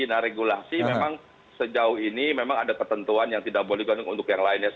nah regulasi memang sejauh ini memang ada ketentuan yang tidak boleh untuk yang lainnya